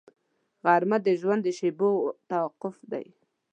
غرمه د ژوند د شېبو توقف دی